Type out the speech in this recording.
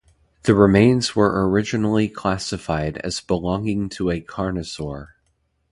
The remains were originally classified as belonging to a carnosaur.